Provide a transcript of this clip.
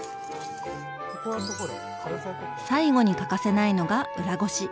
最後に欠かせないのが裏ごし。